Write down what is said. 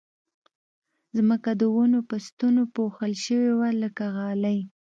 ځمکه د ونو په ستنو پوښل شوې وه لکه غالۍ